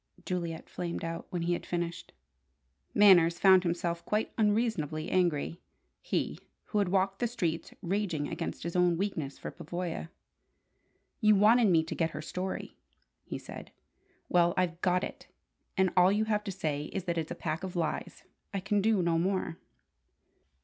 Juliet flamed out, when he had finished. Manners found himself quite unreasonably angry: he, who had walked the streets raging against his own weakness for Pavoya! "You wanted me to get her story," he said. "Well, I've got it, and all you have to say is that it's a pack of lies. I can do no more."